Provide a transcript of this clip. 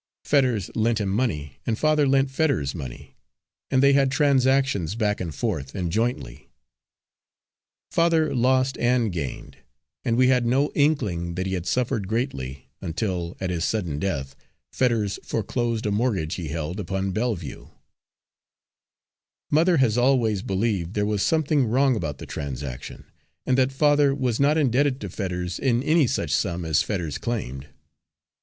Fetters lent him money, and father lent Fetters money, and they had transactions back and forth, and jointly. Father lost and gained and we had no inkling that he had suffered greatly, until, at his sudden death, Fetters foreclosed a mortgage he held upon Belleview. Mother has always believed there was something wrong about the transaction, and that father was not indebted to Fetters in any such sum as Fetters claimed.